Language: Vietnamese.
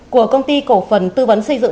của công ty cổ phần tư vấn xây dựng